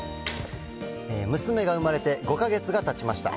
娘が生まれて５か月がたちました。